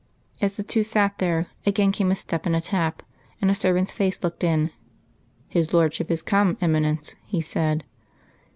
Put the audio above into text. As the two sat there, again came a step and a tap; and a servant's face looked in. "His Lordship is come, Eminence," he said.